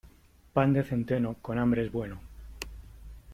Pan de centeno, con hambre es bueno.